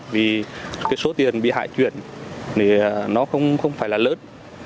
vì cái số tiền bị hại chuyển thì nó không phải là lớn